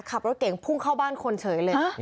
ขับรถเก่งพุ่งเข้าบ้านคนเฉยเลย